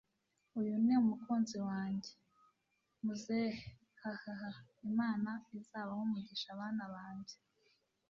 uyu ni umukunzi wanjye! muzehe hhhh! imana izabahe umugisha bana banjye